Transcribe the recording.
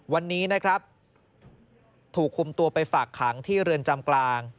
วันนี้นะครับถูกคุมตัวไปฝากขังที่เรือนจำกลาง